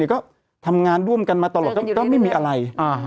ก็ทำงานร่วมกันมาตลอดก็ไม่มีอะไร